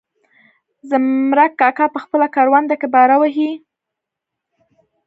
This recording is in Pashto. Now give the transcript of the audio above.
زمرک کاکا په خپله کرونده کې باره وهي.